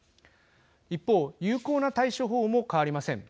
一方有効な対処法も変わりません。